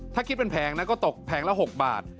ถ้าคิดเป็นแผงนะก็ตกแผงละ๖บาท